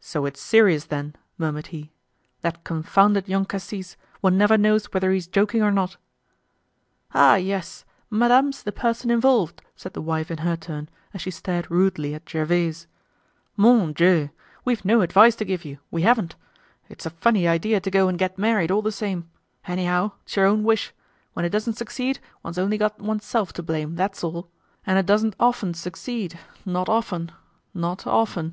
"So it's serious then?" murmured he. "That confounded Young Cassis, one never knows whether he is joking or not." "Ah! yes, madame's the person involved," said the wife in her turn, as she stared rudely at Gervaise. "Mon Dieu! We've no advice to give you, we haven't. It's a funny idea to go and get married, all the same. Anyhow, it's your own wish. When it doesn't succeed, one's only got oneself to blame, that's all. And it doesn't often succeed, not often, not often."